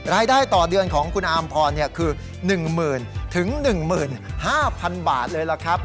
รายได้ต่อเดือนของคุณอามพอร์คือ๑หมื่นถึง๑หมื่น๕พันบาทเลยล่ะครับ